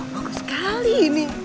bagus sekali ini